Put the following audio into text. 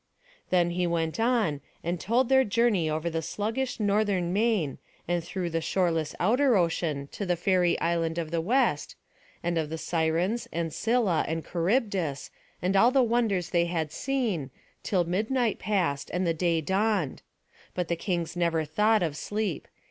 Then he went on, and told their journey over the sluggish northern main, and through the shoreless outer ocean, to the fairy island of the West; and of the Sirens, and Scylla, and Charybdis, and all the wonders they had seen, till midnight passed, and the day dawned; but the kings never thought of sleep.